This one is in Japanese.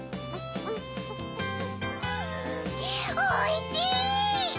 おいしい！